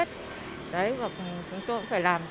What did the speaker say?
rác đây đâu rồi chúng tôi cũng phải thu gom hết